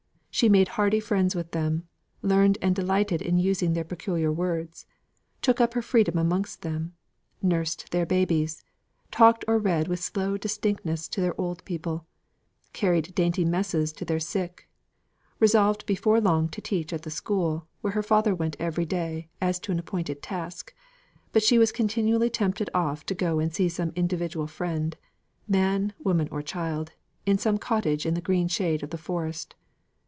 She made hearty friends with them; learned and delighted in using their peculiar words; took up her freedom amongst them; nursed their babies; talked or read with slow distinctness to their old people; carried dainty messes to their sick; resolved before long to teach at the school where her father went regularly every day as to an appointed task, but she was continually tempted off to go and see some individual friend man, woman, or child in some cottage in the green shade of the forest.